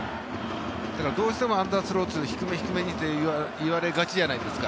どうしてもアンダースローって低め低めといわれがちじゃないですか。